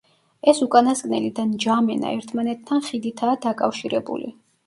ეს უკანასკნელი და ნჯამენა ერთმანეთთან ხიდითაა დაკავშირებული.